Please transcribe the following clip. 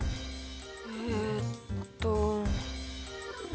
えっと。